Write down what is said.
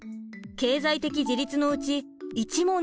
経済的自立のうち１問に×が。